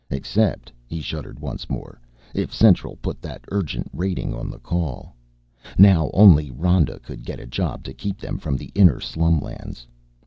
Except, he shuddered once more, if Central put that Urgent rating on a call. Now only Rhoda could get a job to keep them from the inner slumlands.